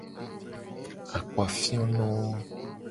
Akpafionowo.